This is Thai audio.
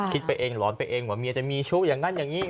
คิดไปเองหรอเปลี่ยนว่าเมียจะมีชูอย่างงั้นอย่างนี้